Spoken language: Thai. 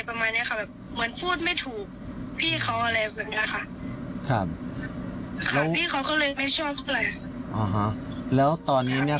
พี่เขาก็เลยไม่ชอบเขาอะไร